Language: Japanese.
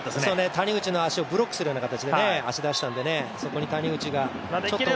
谷口の足をブロックするような形で足を出したので、そこに谷口がちょっと。